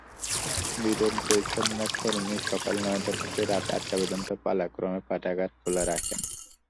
দুজন পরিচ্ছন্নতাকর্মী সকাল নয়টা থেকে রাত আটটা পর্যন্ত পালাক্রমে পাঠাগার খোলা রাখেন।